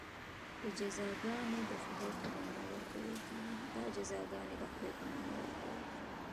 دا جزاګانې د خدای په نامه ورکول کېږي.